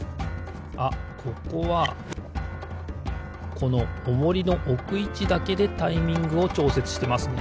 あここはこのオモリのおくいちだけでタイミングをちょうせつしてますね。